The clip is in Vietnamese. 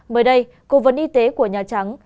mới đây cố vấn y tế của nhà trắng